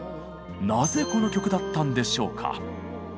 なぜこの曲だったんでしょうか？